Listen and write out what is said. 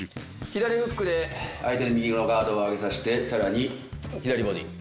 左フックで相手の右のガードを上げさせてさらに左ボディー。